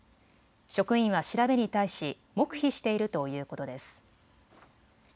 職員は調べに対し黙秘しているということです。